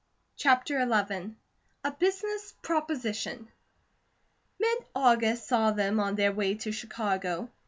CHAPTER XI A BUSINESS PROPOSITION MID AUGUST saw them on their way to Chicago.